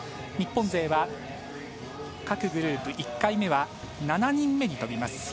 日本勢は、各グループ１回目は７人目に飛びます。